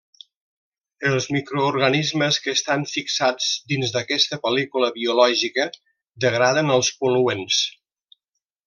Els microorganismes que estan fixats dins aquesta pel·lícula biològica degraden els pol·luents.